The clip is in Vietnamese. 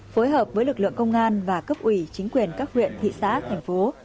phối hợp với lực lượng công an và cấp ủy chính quyền các huyện thị xã thành phố